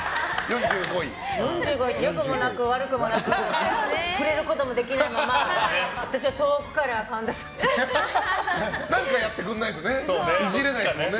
４５位で良くもなく悪くもなく触れることもできないまま私は遠くから何かやってくれないとねイジれないですもんね。